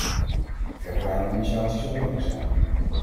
Verdere harmonisatie zal nodig zijn.